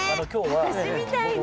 私みたいな。